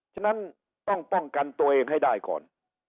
ฉะนั้นต้องป้องกันตัวเองให้ได้ก่อน